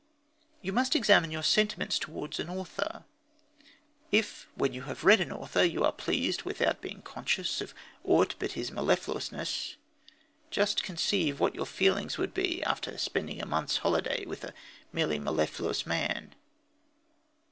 You must examine your sentiments towards an author. If when you have read an author you are pleased, without being conscious of aught but his mellifluousness, just conceive what your feelings would be after spending a month's holiday with a merely mellifluous man.